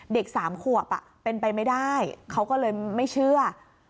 เด็กสามขวบเป็นไปไม่ได้เขาก็เลยไม่เชื่อ